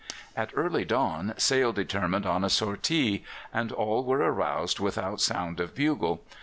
At early dawn Sale determined on a sortie, and all were aroused without sound of bugle.